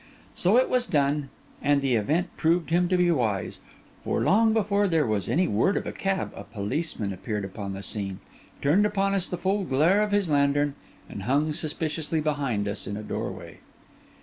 So it was done, and the event proved him to be wise; for long before there was any word of a cab, a policeman appeared upon the scene, turned upon us the full glare of his lantern, and hung suspiciously behind us in a doorway.